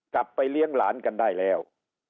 กลับไปเลี้ยงหลานกันได้แล้ว